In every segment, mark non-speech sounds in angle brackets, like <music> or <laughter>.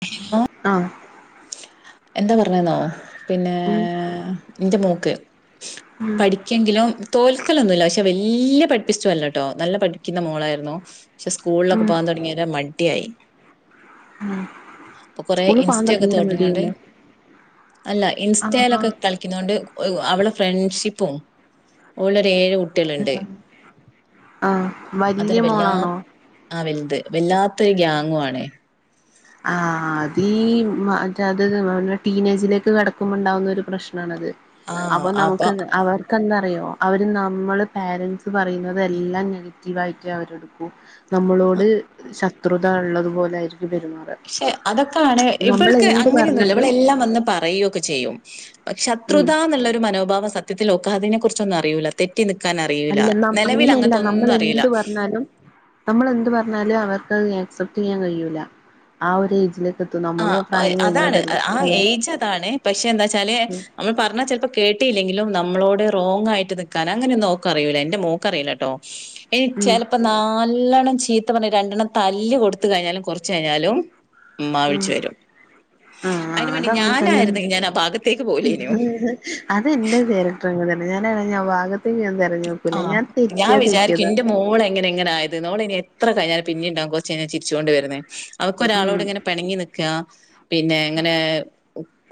<unintelligible> ആഹ് എന്താ പറഞ്ഞന്നോ പിന്നേ ഉം ന്റെ മോക്ക് ഉം പഠിക്കെങ്കിലും തോൽക്കലൊന്നുല്ല പക്ഷെ വല്ല്യ പഠിപ്പിസ്റ്റു അല്ലാട്ടോ നല്ല പഠിക്കുന്ന മോളായിരുന്നു പക്ഷേ സ്കൂളിലൊക്കെ ഉം പോകാൻ തുടങ്ങിയരെ മടിയായി ഉം അപ്പൊ കൊറേ സ്കൂളിൽ പോകാൻ ഇൻസ്റ്റൊക്കെ തുടങ്ങിയരം തോട്ങ്ങിയോണ്ട് മടിയല്ലേ അല്ല ആഹ് ഇൻസ്റ്റയിലൊക്കെ കളിക്കുന്നോണ്ട് അവള് ഫ്രണ്ട്ഷിപ്പും ഓളൊരു ഏഴ് കുട്ട്യളുണ്ട് ആഹ് വല്യ അതൊരു മോളാണോ വല്ലാത്ത ആ വലുത് വല്ലാത്തൊരു ഗ്യാങ്ങു ആണ് ആ അതീ മ മറ്റേ അത് ത് ടീനേജിലേക്ക് കടക്കുമ്പോണ്ടാവുന്ന ഒരു പ്രശ്നണത് അപ്പൊ നമുക്ക് അവർ ക്കെന്താറയോ അവര് നമ്മള് പാരന്റ്സ് പറയുന്നുന്നത് എല്ലാം നെഗറ്റീവായിട്ടേ അവരെടുക്കു നമ്മളോട് ശത്രുത ഉള്ളതുപോലൊയിരിക്കും പെരുമാ പക്ഷെ അതൊക്കെയാണ് ഇവൾക്ക് എന്ത് അങ്ങനെയൊന്നുല്ല പറഞ്ഞാലും ഇവളെല്ലാം വന്ന് പറയുകയൊക്കെ ചെയ്യും ഉം ശത്രുതാന്നുള്ളൊരു മനോഭാവം സത്യൽഓക്കാതിനെ കുറിച്ചൊന്നും അറിയൂല്ല തെ റ്റി നിക്കാൻ അറിയൂല അല്ല നം നിലവിൽ അങ്ങനത്തൊന്നും അറിയില്ല പറഞ്ഞാലും നമ്മള് എന്ത് പറഞ്ഞാലും അവർക്കത് അക്സെപ്റ്റ് ചെയ്യാൻ കഴിയൂല ആ ഒരു ഏജില് ആ അതാണ് ആ ഏജ് അതാണ് പക്ഷെ എന്താച്ചാല് ഉം നമ്മൾ പറഞ്ഞാ ചെലപ്പോ കേട്ടില്ലെങ്കിലും നമ്മളോട്റോങ്ങായിട്ട് നിക്കാന് അങ്ങനെന്നും ഓക്ക അറിയൂല എൻന്റെ മോക്ക് അറിയൂലട്ടോ ഇനി ഉം ചെലപ്പോ നാല്ലണം ചീത്ത പറഞ്ഞ രണ്ടെണ്ണം തല്ല് കൊടുത്ത് കഴിഞ്ഞാലും കൊർച്ച് കഴിഞ്ഞാലും ഉമ്മാ വിളിച്ചു വരും ആ അതിന് വേണ്ടി അതങ്ങൻതന്നെ ഞാനായിരുന്നെങ്കി ഞാൻ ആ ഭാഗത്തേക്ക് പോവൂലേനു. ഉം അത് ന്റെ കാരക്ടർ അന്നെ ഞാനാണെങ്കി ആ ഭാഗത്ത്‌ ആ ഞാൻ വിചാരിക്കും തെറ്റിയതാ എന്റെ മോള് എങ്ങനെ എങ്ങനെ ആയത് ഓളയിന് എത് ത്ര കഴിഞ്ഞാലും പിന്നിണ്ടാവും കൊർച്ചെയ്ഞ്ഞാ ചിരിച്ചുകൊണ്ട് വരുന്നേ അവക്ക് ഉം ഒരാളോട് ഇങ്ങനെ പണങ്ങി നിക്കാ പിന്നെ എങ്ങനെ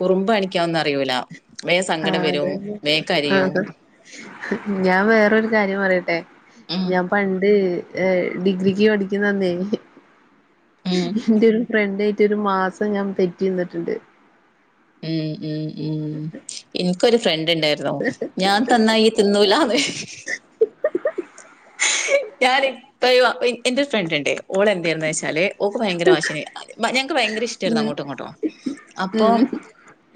കുറുമ്പ് അണിക്കാംന്ന് അറിയൂല വേം ആ സങ്കടം വരും അതേതെ വേം ആ കരയും ഞാൻ വേറൊരു കാര്യം പറയട്ടെ ഉം ഞാൻ പണ്ട് എ ഡിഗ്രിക്ക് പഠിക്കുന്നന്നേ ഉം എന്റെ ഒരു ഫ്രണ്ടേറ്റ് റ്റി ഒരു മാസം ഞാൻ തെറ്റി നിന്നിട്ടുണ്ട് ഉം ഉം ഉം ഇൻക്കൊരു ഫ്ര ത് ണ്ടായിരുന്നു ഞാൻ തന്നാ യ്യ് തിന്നൂലാന്ന് ഞാൻ ഇത്രയും എന്റൊരു ഫ്രണ്ട് ഉണ്ട് ഓള് എന്തായിര്ന്ന് വെച്ചാല് ഓക്ക് ഭയങ്കര വാശിയാണ് ഞങ്ങക്ക് ഭയങ്കര ഇഷ്ടായിരുന്നു അങ്ങോട്ടും ഇങ്ങോട്ടും അപ്പൊ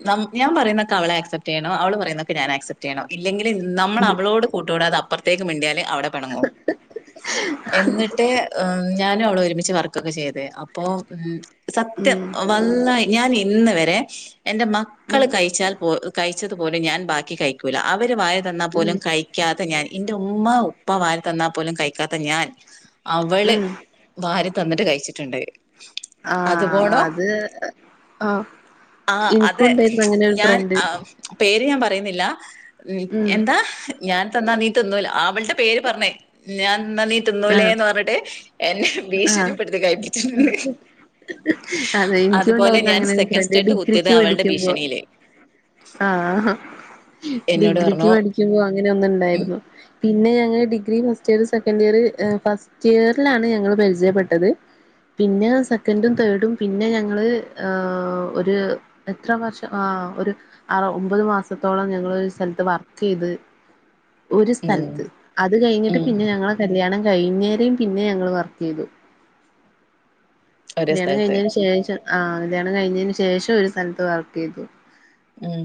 നമ്മ് ഞാൻ പറയുന്നൊക്കെ അവളെ ആക്സെപ്റ്റ് ചെയ്യണോ അവള് പറയുന്നൊക്ക ഞാൻ ആക്സെപ് ചെയ്യണോ ഇല്ലെങ്കിൽ നമ്മള അവളോട് കൂട്ടു കൂടാതെ അപ്പർത്തേക്ക് മിണ്ടിയാല് അവടെ പെണങ്ങും എന്നിട്ട് ഉം ഞാനും അവളും ഒരുമിച്ച് വർക്കൊക്കെ ചെയ്ത് അപ്പോ ഉം സത്യം ഉം വള്ളാഹി ഞാൻ എ ഇന്ന് വരെ എന്റെ മക്കള് ഉം കഴിച്ചാൽ പോ കഴിച്ചതുപോലും ഞാൻ ബാക്കി കഴിക്കൂല അവര് വായ തന്നാ ഉം പോലും കഴിക്കാത്ത ഞാൻ ഇന്റെ ഉമ്മ ഉപ്പ വാരി തന്നാ പോലും കഴിക്കാത്ത ഞാൻ അവള് ഉം വാരി തന്നിട്ട് കഴിച്ചിട്ടുണ്ട് ആ അതുപോടോ അത് ആ ആ അതെ ഞാൻ ആ പേര് ഞാൻ പറയുന്നില്ല ഉം എന്താ ഞാൻ തന്നാ നീ തിന്നൂല അവളുടെ പേര് പറഞ്ഞേ ഞാൻ ന്ന നീ ആഹ് തിന്നൂലേന്ന് പറഞ്ഞിട്ട് എന്നെ ആഹ് ഭീഷണിപ്പെടുത്തി കഴിപ്പിച്ചിന്ന് അതെ എനിക്കുണ്ടാവുന്ന അങ്ങനെ ഒരു ഫ്രണ്ട് ഡിഗ്രി ത് അവളുടെ ഭീഷണിയില് ആ എന്നോട് ഡിഗ്രിക്ക് പറഞ്ഞു പഠിക്കുമ്പോ അങ്ങനെ ഒന്ന് ഉം ഇണ്ടായിരുന്നു ടി പിന്നെ ഞങ്ങള് degree first year second year എ ഫസ്റ്റ് ഇയറിലാണ് ഞങ്ങള് പരിചയപ്പെട്ടത് പിന്നെ സെക്കൻറും തേർഡും പിന്നെ ഞങ്ങള് ആ ഒരു എത്ര വർഷം ആ ആ ഒരു ആ ഒമ്പത് മാസത്തോളം ഞങ്ങളൊരു സ്ഥലത്ത് വർക്ക് ചെയ്ത് ആ ഒരു സ്ഥലത്ത് അത് കഴിഞ്ഞിട്ട് പിന്നെ ഞങ്ങളെ കല്ല്യാണം ക വൈകുന്നേരം പിന്നേ ഞങ്ങള് വർക്ക് ചെയ്തു ഒരേ കല്യണം സ്ഥലത്ത് കഴിഞ്ഞതിന് ശേഷം ആ കല്യാണം കഴിഞ്ഞതിന് ശേഷം ഒരു സ്ഥലത്ത് വർക്ക് ചെയ്തു ഉം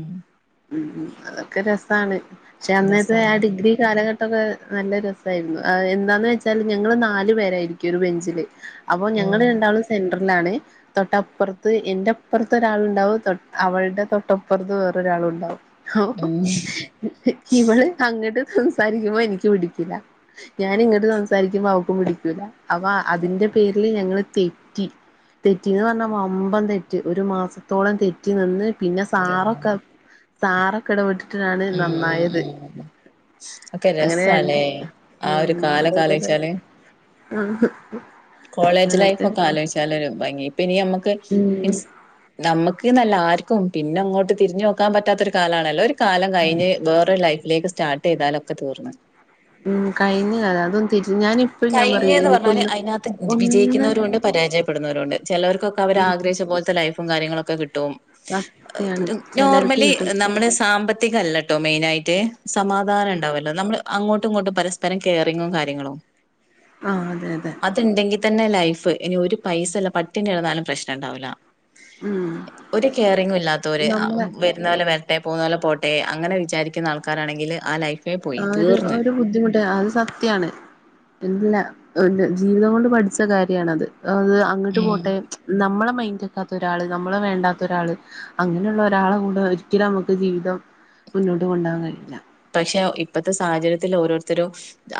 ഉം അതൊക്കെ രസാണ് പക്ഷെ അന്നത്തെ ആ രസാണ് ഡിഗ്രി കാലഘട്ട ക്കെ നല്ല രസായിരുന്നു എന്താന്ന് വെച്ചാല് ഞങ്ങള് നാലു പേരായിരിക്കും ഒരു ബെഞ്ചില് അപ്പൊ ഞങ്ങള് ഉം രണ്ടാളും സെ ന്റർലാണ് തൊട്ടപ്പറത്ത് എന്റെപ്പറത്ത് ഒരാളുണ്ടാവും അവളുടെ തൊട്ടപ്പുറത്ത് വേറൊരാ രാളുണ്ടാവും ഉം ഇവള് അങ്ങട്ട് സംസാരിക്കുമ്പോ എനിക്ക് പിടിക്കൂല്ല ഞാന് ഇങ്ങട്ട് സംസാരിക്കുമ്പോ അവക്കും പിടിക്കൂല്ല അവ അതിന്റെ പേരില് ഞ തെറ്റി തെറ്റിന്ന് പറഞ്ഞ വമ്പം തെറ്റ് ഒരു മാസത്തോളം തെറ്റി നിന്ന് പിന്നെ എന്റമ്മോ സാറൊക്കെ സാറൊക്കെ എടപെട്ടിട്ടാണ് ഉം നന്നായത് ഉം ഉം ഒക്കെ അങ്ങനെ രണ്ട് രസാല്ലേ ആ ഒരു കാലൊക്കെ ഉം ആലോചിച്ചാല് കോളേജ് അതൊക്കെ ലൈഫൊക്കെ ആലോചിച്ചാലൊരു ഭംഗി പിന്നെ ഞമ്മക്ക് ഉം ഇൻസ് നമ്മക്ക്ന്നല്ല ആർ ക്കും പിന്നെ ങ്ങോട്ട് തിരിഞ്ഞു നോക്കാൻ പറ്റാത്ത ഒരു കാലണല്ലോ ഒരു കാലം കയ്ഞ്ഞ് വേറെരു ലൈഫിലേക്ക് സ് സ്റ്റാർട്ടെയ്താല് ഒക്കെ തീർന്ന് ഉം കയ്ഞ് കഥ അതും തി കയ്ഞ് ന്ന് പറഞ്ഞാല് അതിനകത്ത് ഒന്ന് വിജയിക്കുന്നോരുണ്ട് പരാജയപ്പെടുന്നോരുണ്ട് ചെലോർക്കൊക്കെ അവർ ആഗ്രഹിച്ച ത് പോൽത്തെ ലൈഫും കാര്യങ്ങളൊ ക്കെ കിട്ടും സത്യാണ് ചിലർക്ക് നോർമലി കിട്ടും നമ്മള് സാമ്പത്തികല്ലട്ടോ മെയ്നാ റ്റ് സമാധാനം ണ്ടാവല്ലോ നമ്മള് അങ്ങോട്ടും ഇങ്ങോട്ടും പരസ്പരം കെയറിങ്ങും കാര്യങ്ങളും ആ അതെന്നെ അതുണ്ടെങ്കിൽ തന്നെ ലൈഫ് ഇനി ഒരു പൈസല്ല പട്ടിണി കെടന്നാലും പ്രശ്നം ണ്ടാവൂല്ല ഉം ഒരു കെയറിങ്ങുല്ലാത്തോര് നമ്മളെ വെരുന്നോലെ വെരട്ടെ പോന്നോലെ പോട്ടെ അങ്ങനെ വിചാരിക്കുന്ന ആൾക്കാരാണെങ്കിൽ ആ ലൈഫ് ആഹ് ഒര് ഒരു ബുദ്ധിമുട്ടെ അത് സത്യാണ് ഇല്ല ഒന്ന് ജീവിതം കൊണ്ട് പഠിച്ച കാര്യാണത് അത് അങ്ങട്ട് ഉം. പോട്ടെ നമ്മളെ മൈന്റക്കാത്ത ഒരാള് നമ്മളെ വേണ്ടാത്ത ഒരാള് അങ്ങനെയുള്ള ഒരാളെ കൂടെ ഒരിക്കലും അമ്മക്ക് ജീവിതം മുന്നോട്ട് കൊണ്ടോവാ കഴിയില്ല പക്ഷേ ഇപ്പത്തെ സാഹചര്യത്തില് ഓരോരുത്തരും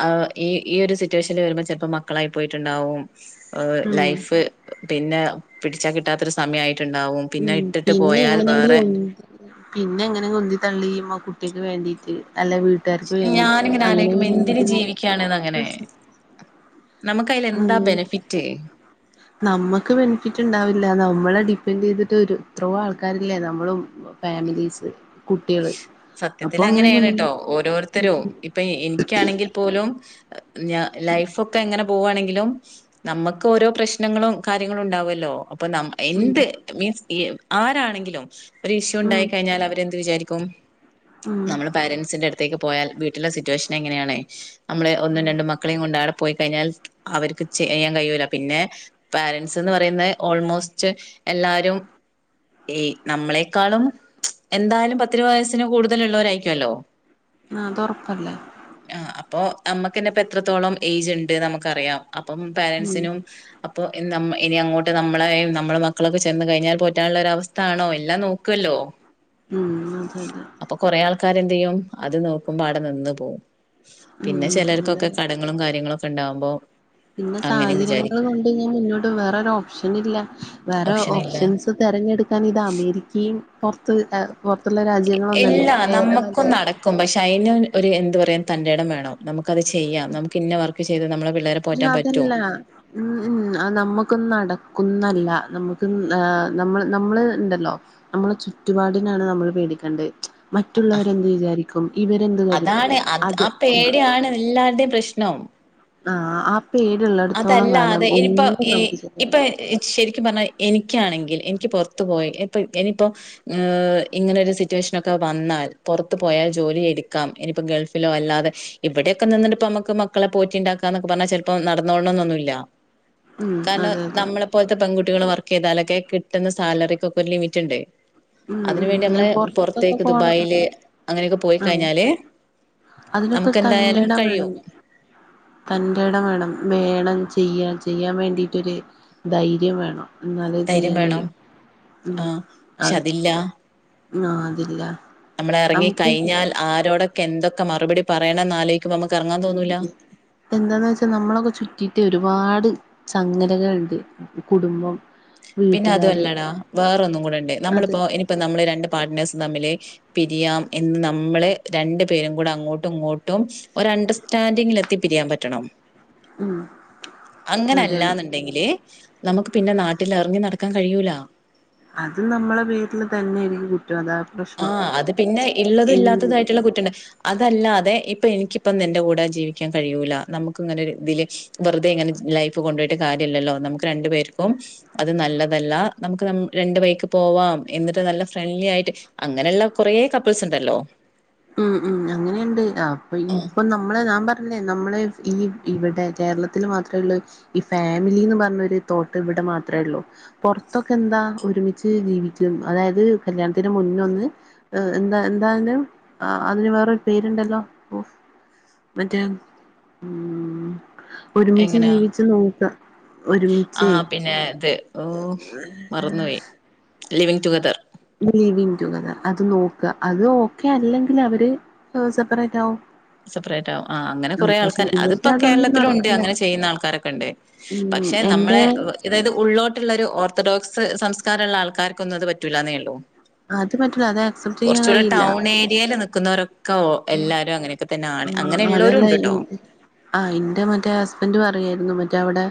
ആഹ് ഈ ഈ ഒരു സിറ്റുവേഷന്ല് വരുമ്പോ ചെലപ്പം മക്കളായി പോയിട്ണ്ടാവും ഓഹ് ഉം ലൈഫ് പിന്നെ പിടിച്ചാ കിട്ടാത്ത ഒരു സമയായി ഉം പിന്നെ എങ്ങനെങ്കിലും ഒന് പിന്നെ എങ്ങനെങ്കിലും ഉന്തി തള്ളി മോ കുട്ട്യക്ക് വേണ്ടിയിട്ട് അല്ലെ വീട്ടാര്ക്ക് വേണ്ടിട്ട് ഞാനിങ്ങനെ അങ്ങനെ ആലോചിക്കുമ്പോ ഇങ്ങനെ മുന്നോട്ട് എന്തിന് പോവും ജീവിക്കാണ്ന്ന് അങ്ങനെ പ്രശ്നം നമുക്ക് അതിൽ എന്താ അങ്ങനെ ബെനിഫിറ്റ് നമ്മക്ക് ബെനിഫിറ്റ് ഇണ്ടാവില്ല നമ്മളെ ഡിപ്പെൻഡെയ്തിട്ട് ഒരു എത്രയോ ആൾക്കാരില്ലേ നമ്മളും ഫാമിലീസ് കുട്ടികള് അപ്പൊ അങ്ങനെ മുൻ സത്യത്തിലങ്ങനേണ് ട്ടോ ഓരോരുത്തരും ഇപ്പൊ ഈ ഇന്ക്കാണെങ്കില് പോലും ഞാ ലൈഫൊക്കെ എങ്ങനെ പോവാണെങ്കിലും നമ്മക്ക് ഓരോ പ്രശ്നങ്ങളും കാര്യങ്ങളും ഉണ്ടാവല്ലോ ഇപ്പ നാം ഉം എന്ത് മീൻസ് ഈ ആരാണെങ്കിലും ഒരു ഉം ഇഷ്യൂണ്ടായി കഴിഞ്ഞാ അവരെന്ത് വിചാരി ക്കും ഉം നമ്മള് പേരെന്റ്സിന്റെ അട്ത്തേക്ക് പോയാൽ വീട്ടിലെ സിറ്റുവേഷൻ എങ്ങനെയാണ് നമ്മള് ഒന്നും രണ്ടും മക്കളേം കൊണ്ട് ആടെ പോയി കഴിഞ്ഞാൽ അവര്ക്ക് ചെയ്യാൻ കഴിയൂല പിന്നെ പേരെന്റ്സ്ന്ന് പറയുന്നെ ഓൾമോസ്റ്റ് എല്ലാരും ഈ നമ്മളെക്കാളും എന്തായാലും പ ഒത്തിരി വയസ്സിന് കൂടുതല് ഇള്ളോരായിരിക്കുവല്ലോ ആഹ് അതൊറപ്പല്ലേ അപ്പൊ അമ്മക്കന്നെ ഇപ്പെത്രത്തോളം ഏജ്ണ്ട് നമ്മക്കറിയാ അപ്പം ഉം പേരെന്റസിനും അ പ്പോ ഇന്ന് അമ് ഇനി അങ്ങോട്ട് നമ്മളെയും നമ്മുടെ മക്കളൊക്കെ ചെന്ന് കഴിഞ്ഞാല് പോറ്റാനുള്ള ഒരവസ്ഥാണോ എല്ലാം നോക്കൊല്ലോ ഓഹ് ഉം അതെ അതെ ആൾക്കാര് എന്ത് ചെയ്യും അത് നോക്കുമ്പോ അവിടെ നിന്ന്‌ പോകും ഉം പിന്നെ ഉം അതെ ചിലർക്കൊക്കെ കടങ്ങളും കാര്യങ്ങളും ഇണ്ടാവുമ്പോ പിന്നെ സാഹചര്യങ്ങള് കൊണ്ട് ഞാൻ മുന്നോട്ട് വേറെ ഓപ്ഷൻ ഇല്ല വേറെ ഓപ്ഷനില്ല ഓപ്ഷൻസ് ത തെരഞ്ഞെടുക്കാൻ ഇത് അമേരിക്കയും പുറത്ത് ഏ ഇല്ലാ നമ്മുക്കും നടക്കും പക്ഷേ അയിന് ഒരു എന്ത് പറയാ തന്റെടം വേണം നമുക്ക് നമുക്കത് ചെയ്യാം ഇന്ന വർക്ക് ചെയ്ത് നമ്മളെ പിള്ളേരെ അല്ല പോറ്റാൻ പറ്റും അതല്ല ഉം ഉം അ നമ്മുക്കും നടക്ക് ക്കുന്നല്ല നമ്മുക്ക് ഏ നമ്മ നമ്മള് ഇണ്ടല്ലോ നമ്മളെ ചുറ്റുപാടിനാണ് നമ്മള് പേടി ടിക്കണ്ട് മറ്റുള്ളവരെന്ത് വിചാരിക്കും ഇവരെന്ത് കരുതും അത് ആ അല്ലേ പ്രശ്നം ആ ആപ്പ് അതല്ല അതെ ഇനിപ്പോ നമുക്ക് ശരിയാവില്ല ഇപ്പൊ ശരിക്കും പറഞ്ഞാ എനിക്കാണെങ്കിൽ എനിക്ക് പുറത്ത് പോയി എപ്പ എനിയിപ്പോ മ് ഇങ്ങനൊരു സിറ്റുവേഷനൊക്കെ വന്നാൽ പുറത്ത് പോയാൽ ജോലി എടുക്കാം ഇനിപ്പോ ഗൾഫിലോ അല്ലാതെ ഇവിടെയൊക്കെ നിന്നിട്ട് പ്പൊ നമുക്ക് മക്കളെ പോറ്റി ണ്ടാക്കാന്നൊക്കെ പറഞ്ഞാ ചിലപ്പോ നടന്നോളണം എന്നൊന്നുല്ലാ ഉം കാരണം അതെ അതെ നമ്മളെ പോലത്തെ പെൺകുട്ടി കുട്ടികൾ വർക്ക് ചെയ്താലൊക്കെ കിട്ടുന്ന സാലറിക്കൊക്കെ ഒരു ലിമിറ്റ് ഇണ്ട് ഉം അതിന് വേണ്ടി നമ്മള് ഉം പൊറത്തൊക്കെ പുറത്തേക്ക് പോണം ദുബായില് അങ്ങനെയൊക്കെ ആ പോയിക്കഴിഞ്ഞാല് നമുക്കെന്തായാലും കഴിയൂ തന്റേടം വേണം വേണം ചെയ്യാ ചെയ്യാൻ വേണ്ടിയിട്ടൊരു ധൈര്യം വേണം എന്നാലേ ധൈര്യം ചെയ്യാൻ വേണം കഴിയു ഉം ആഹ് പക്ഷെ അത് അതില്ല ആ അതില്ല നമ്മള് ഇറങ്ങി നമുക്ക് കഴിഞ്ഞാൽ ആരോടൊക്കെ എന്തൊക്കെ മറുപടി പറയണം എന്നാലോ ഉം എന്താന്ന് വെച്ചാ നമ്മളൊക്കെ ചുറ്റിയിട്ട് ഒരുപാട് സംഗതികള്ണ്ട് കുടുംബം പിന്നെ വീട്ടുകാര് അതുമല്ലടാ വേറൊന്നും കൂടെണ്ട് അത് നമ്മളിപ്പോ ഇനിപ്പോ നമ്മള് രണ്ട് പാർട്ട്നേഴ്സ് തമ്മില് പിരിയാം എന്ന് നമ്മള് രണ്ടു പേരും കൂടെ അങ്ങോട്ടും ഇങ്ങോട്ടും ഒര് അണ്ടർസ്റ്റാൻഡിങ്ങിൽ എത്തി പിരിയാ യാൻപറ്റണം ഉം അതെ അതെ അങ്ങനെല്ലാന്നുണ്ടെങ്കില് നമുക്ക് പിന്നെ നാട്ടില് ട്ടില് ഇറങ്ങി നടക്കാൻ കഴിയൂല അത് നമ്മളെ വീട്ടില് തന്നെയായിരിക്കും കു ആ അത് പിന്നെ ഇള്ളതും എ ഇല്ലാത്തതും ആയിട്ടുള്ള കുറ്റണ്ട് അതല്ലാതെ ഇപ്പൊ എനിക്കിപ്പം നിന്റെ കൂടെ ജീവിക്കാൻ കഴിയൂല നമുക്ക് ഇങ്ങനെ ഒര് ഇതില് വെറുതെ ഇങ്ങനെ ജ് ലൈഫ് കൊണ്ട് പോയിട്ട് കാര്യ ര്യല്ലല്ലോ നമുക്ക് രണ്ടു പേർക്കും അത് നല്ലതല്ല നമുക്ക് നം രണ്ട് വഴിക്ക് പോവാം എന്നിട്ട് നല്ല ഫ്രണ്ട്ലി ആയിട്ട് അങ്ങനെയുള്ള കുറേ കപ്പിൾസ് ഇണ്ടല്ലോ ഉം ഉം അങ്ങനെയുണ്ട് അപ്പൊ ആഹ് ഇപ്പൊ നമ്മളെ ഞാൻ പറഞ്ഞില്ലേ നമ്മളെ ഈ ഇവിടെ കേരളത്തിൽ മാത്രേ ഉള്ളൂ ഈ ഫാമിലിന്ന് പറഞ്ഞൊരു തോട്ട് ഇവിടെ മാത്രേ ഉള്ളൂ പുറത്തൊക്കെ എന്താ ഒരുമിച്ച് ജീവിക്കും അതായത് കല്യാണത്തിന് മുന്നൊന്ന് ഏ എന്താ എന്താണ് ആ അതിന് വേറൊരു പേരുണ്ടല്ലോ ഒ മറ്റേ ഉം ഒരുമിച്ച് ജീവിച്ചു നോക്ക ആ ഒരുമിച്ച് പിന്നെ ഇത് മറന്നുപോയി ലിവിങ് ടുഗദർ ലീവിങ് ദുകദർ അത് നോക്ക അത് ഓക്കെ അല്ലെങ്കിൽ അവര് സെപ്പറേറ്റ് ആകും സെപ്പറേറ്റ് ആകും ആ അങ്ങനെ കൊറേ ആൾക്കാർ ഇവിടെ അതിപ്പോ അതൊന്നും കേരളത്തിലും ഉണ്ട് നടക്കില്ല അങ്ങനെ ചെയ്യുന്ന ആൾക്കാരൊക്കെ ഉണ്ട് ഉം പക്ഷെ നമ്മളെ എന്റെ അതായത് ഉള്ളിലോട്ടുള്ള ഒരു ഓർത്തഡോക്സ് സംസ് സംസ്ക്കാരള്ള ആൾക്കാർകൊന്നും അത് പറ്റൂല്ലന്നേ ഉള്ളൂ അത് പറ്റൂല അത് ആക്സെപ്റ്റ് ചെയ്യാൻ കുറച്ചൂടെ കഴിയില്ല ടൗൺ ഏരിയൽ നിക്കുന്നവരൊക്കെ എല്ലാരും അങ്ങനെ തന്നെ ആ ആണ് ഉള്ളോരും അതല്ല ഉണ്ട് ട്ടോ ആ എന്റെ മറ്റേ ഹസ്ബൻഡ ന്റ പറയെയിരുന്നു മറ്റേ അവിടെ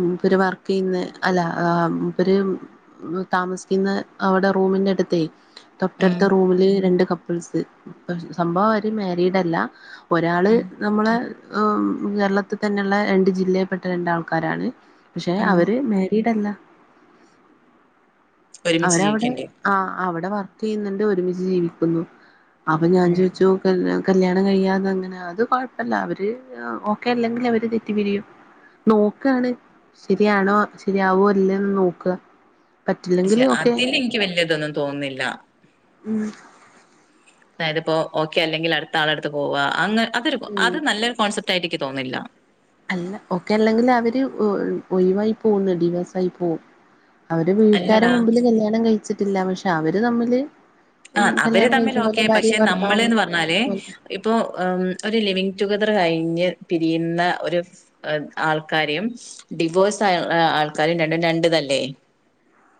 മൂപര് വർക്കയ്യുന്ന അല്ല മൂപര് താമസിക്കുന്ന അവിടെ റൂമിൻ്റെ അടുത്തേ ഉം തൊട്ടടുത്ത റൂമില് രണ്ട് കപ്പിൾസ് സംഭവം അവര് മാരിഡല്ല ഒരാള് ഉം നമ്മളെ കേരളത്തിൽ തന്നെയുള്ള രണ്ട് ജില്ലയിൽ പെട്ട രണ്ടാൾക്കാരാണ് പക്ഷെ ഉം അവര് മാരീഡ് അല്ല ഒരുമിച്ച് അവരവിടെ ജീവിക്കണ്ട് ആ അവിടെ വർക്ക് ചെയ്യുന്നുണ്ട് ഒരുമിച്ച് ജീവിക്കുന്നു അപ്പൊ ഞാൻ ഉം ചോദിച്ചു കല്യാ കല്യാണം കഴിയാത അങ്ങനെ അത് കൊഴപ്പല്ല അവര് ഓക്കെ അല്ലെങ്കിൽ അവര് തെറ്റി പിരിയും നോക്കണ് ശരിയാണോ ശരിയാവോ ഇല്ലന്ന് നോക്കുക പറ്റില്ലെങ്കിൽ പക്ഷെ ഓക്കെ അതിന്റെ എനിക്ക് വല്യ ഇതൊന്നും തോന്നുന്നില്ല ഉം അതായത്പ്പോ ഓക്കെ അല്ലെങ്കിൽ അടുത്ത ആളടുത്ത് പോവുക അതൊരു ഉം അത് നല്ലൊരു കോൺസെപ്റ്റ് ആയിട്ട എനിക്ക് തോന്നില്ല അല്ല ഒക്കെ അല്ലെങ്കിൽ അവര് ഒഴിവായി പോകുന്നു ഡിവേഴ്സ ആയി പോകും അവര് വീട്ടുകരു അല്ലടാ മുമ്പില് കല്യാണം കഴിച്ചിട്ടില്ല പക്ഷെ അവര് തമ്മില് ആ ഉം അവര് കല്യാണം തമ്മിൽ കഴിച്ച ഓക്കെ പോലെ പക്ഷെ ഭാര്യയും ഭർത്താവും നമ്മൾന്ന് പറഞ്ഞാല് പോലെ. ഇപ്പൊ ഒരു ലിവിങ് ടുകദർ കഴിഞ്ഞ് പിരിയുന്ന ഒരു ആൾക്കാരെയും ഡിവോഴ്സ് ആ ആൾക്കാരും രണ്ടും രണ്ടു തര ല്ലേ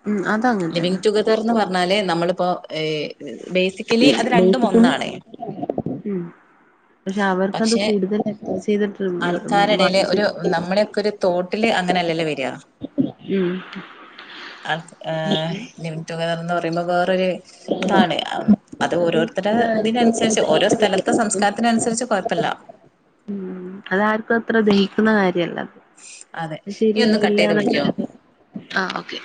ഉം അതങ്ങനെ ലിവിം തന്നെ ടുഗദർന്ന് പറഞ്ഞാല് നമ്മളിപ്പോ ബേസിക്കലി അത് രണ്ടും ഒന്നാണേ ഉം പക്ഷെ അവർക്കത് പക്ഷെ കൂടുതൽ അറ്റാച്ച് ചെയ്തിട്ട് ആൾക്കാരെടെൽ മാനസിക ഒരു നമ്മളെയൊക്കെ ഒരു തോട്ടില് അങ്ങനെല്ലല്ലേ വര ഉം ലിവിങ് ടുകദർ പറയുമ്പോ വേറെ ഇത അത് ഓരോരുത്തരുടെ അതാർക്കും അത്ര ഇതിനനുസരിച്ച് ഓരോ ദഹിക്കൂല സ്ഥലത്തെ സംസ്കാരത്തിനനുസരിച്ച് കുഴപ്പില്ല ഉം അതാർക്കും അത്ര ദഹിക്ക അല്ല അതെ അ നീ ഒന്ന് കട്ട് ശെരിയാവില്ല ചെയ്ത് വിളിക്കോ എന്ന ആഹ് ഓകെ